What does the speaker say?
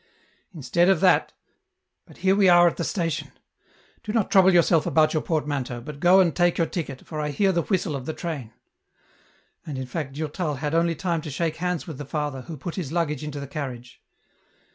" Instead of that ... but here we are at the station ; do not trouble yourself about your portmanteau, but go and take your ticket, fori hear the whistle of the train." And in fact Durtal had only time to shake hands with the father, who put his luggage into the carriage.